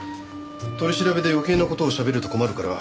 取り調べで余計な事をしゃべると困るから。